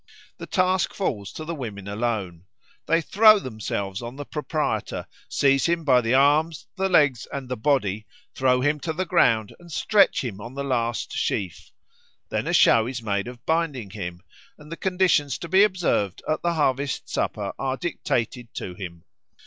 The task falls to the women alone. They throw themselves on the proprietor, seize him by the arms, the legs, and the body, throw him to the ground, and stretch him on the last sheaf. Then a show is made of binding him, and the conditions to be observed at the harvest supper are dictated to him.